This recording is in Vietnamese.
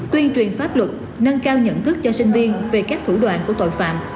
tuyên truyền pháp luật nâng cao nhận thức cho sinh viên về các thủ đoạn của tội phạm